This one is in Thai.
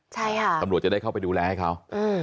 ใช่ค่ะตำรวจจะได้เข้าไปดูแลให้เขา